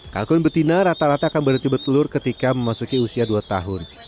kalkun betina rata rata akan berhenti bertelur ketika memasuki usia dua tahun